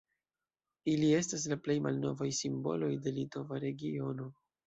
Ili estas la plej malnovaj simboloj de litova regiono.